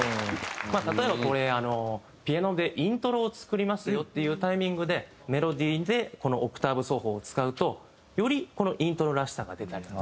例えばこれピアノでイントロを作りますよっていうタイミングでメロディーでこのオクターブ奏法を使うとよりイントロらしさが出たりだとか。